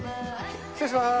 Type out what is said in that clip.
失礼しまーす！